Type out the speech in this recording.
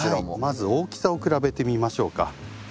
まず大きさを比べてみましょうか。